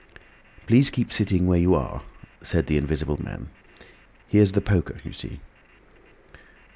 "Please keep sitting where you are," said the Invisible Man. "Here's the poker, you see."